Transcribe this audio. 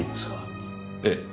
ええ。